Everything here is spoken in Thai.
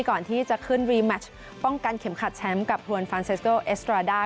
ก่อนที่จะขึ้นรีแมชป้องกันเข็มขัดแชมป์กับทวนฟานเซสโกเอสตราด้า